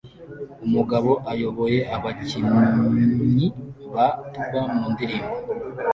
Umugabo ayoboye abakinyi ba tuba mu ndirimbo